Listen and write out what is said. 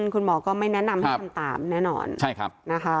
คุณหมอก็ไม่แนะนำให้ทำตามแน่นอนใช่ครับนะคะ